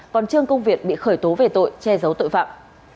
còn trương công việt bị khởi tố về tội che giấu tội phạm